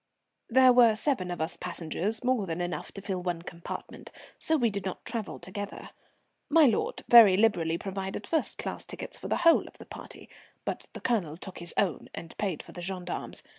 There were seven of us passengers, more than enough to fill one compartment, so we did not travel together. My lord very liberally provided first class tickets for the whole of the party, but the Colonel took his own and paid for the gendarmes.